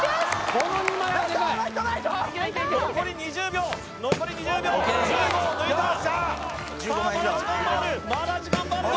・この２枚はデカい残り２０秒残り２０秒１５を抜いたさあまだ時間はあるまだ時間はあるぞ